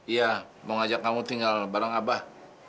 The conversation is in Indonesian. iya mau ngajak kamu tinggal bareng abah